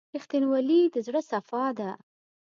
• رښتینولي د زړه صفا ده.